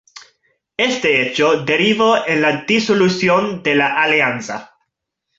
Este hecho derivó en la disolución de la alianza.